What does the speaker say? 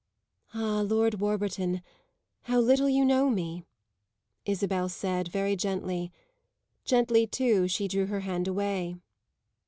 "Ah, Lord Warburton, how little you know me!" Isabel said very gently. Gently too she drew her hand away.